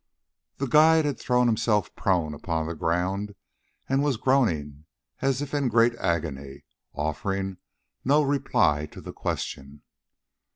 The guide had thrown himself prone upon the ground and was groaning as if in great agony, offering no reply to the question.